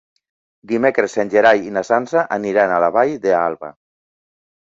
Dimecres en Gerai i na Sança aniran a la Vall d'Alba.